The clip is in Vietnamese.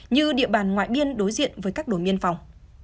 như địa bàn ngoại biên đối diện với các đồn biên phòng